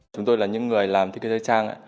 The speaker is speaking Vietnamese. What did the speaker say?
chúng tôi là những người làm thiết kế thời trang